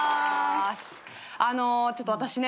あのちょっと私ね